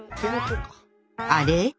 あれ？